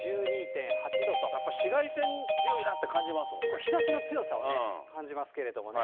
やっぱり紫外線強いなって感日ざしの強さはね、感じますけれどもね。